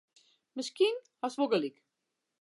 Miskien hast wol gelyk.